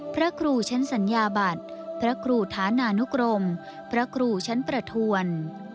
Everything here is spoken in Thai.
พระครูชั้นสัญญาบัตรพระครูธานานุกรมพระครูชั้นประทวน